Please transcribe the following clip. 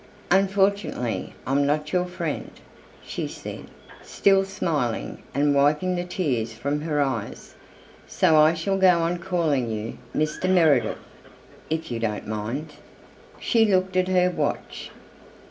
"Unfortunately I'm not your friend," she said, still smiling and wiping the tears from her eyes, "so I shall go on calling you Mr. Meredith if you don't mind." She looked at her watch.